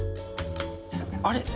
あれ？